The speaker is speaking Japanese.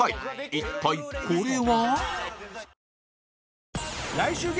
一体これは？